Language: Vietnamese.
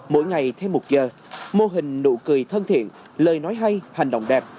mỗi ngày thêm một giờ mô hình nụ cười thân thiện lời nói hay hành động đẹp